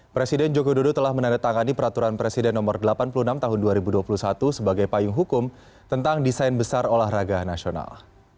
presiden joko widodo telah menandatangani peraturan presiden no delapan puluh enam tahun dua ribu dua puluh satu sebagai payung hukum tentang desain besar olahraga nasional